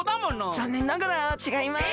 ざんねんながらちがいます。